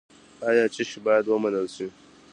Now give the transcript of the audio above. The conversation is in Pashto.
آیا چې باید ومنل شي؟